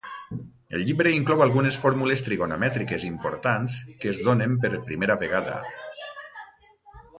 El llibre inclou algunes fórmules trigonomètriques importants que es donen per primera vegada.